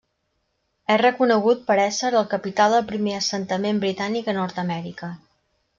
És reconegut per ésser el capità del primer assentament britànic a Nord-amèrica.